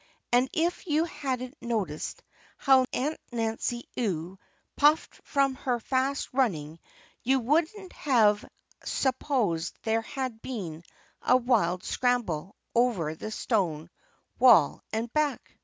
And if you hadn't noticed how Aunt Nancy Ewe puffed from her fast running you wouldn't have supposed there had just been a wild scramble over the stone wall and back.